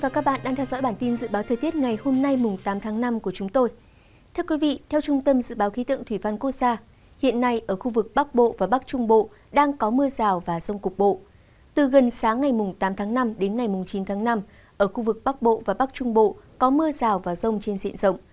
cảm ơn các bạn đã theo dõi